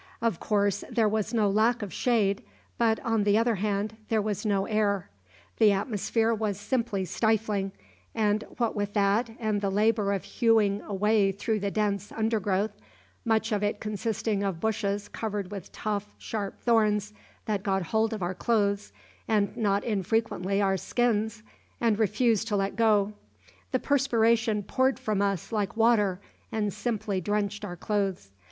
Of course there was no lack of shade, but, on the other hand, there was no air. The atmosphere was simply stifling, and what with that and the labour of hewing a way through the dense undergrowth much of it consisting of bushes covered with tough, sharp thorns that got hold of our clothes, and not infrequently our skins, and refused to let go the perspiration poured from us like water, and simply drenched our clothes.